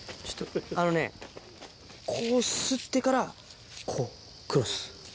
あのねこうすってからこうクロス。